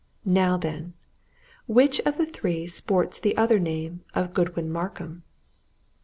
Now, then which of the three sports the other name of Godwin Markham?"